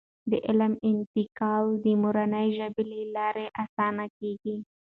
د علم انتقال د مورنۍ ژبې له لارې اسانه کیږي.